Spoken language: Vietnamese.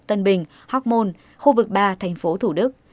tân bình hóc môn khu vực ba thành phố thủ đức